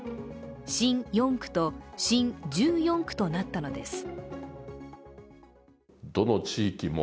新４区と新１４区となったのです。